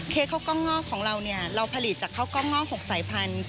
ข้าวกล้องงอกของเราเนี่ยเราผลิตจากข้าวกล้องงอก๖สายพันธุ์